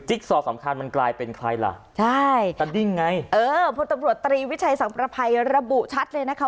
ซอสำคัญมันกลายเป็นใครล่ะใช่สดิ้งไงเออพลตำรวจตรีวิชัยสังประภัยระบุชัดเลยนะคะ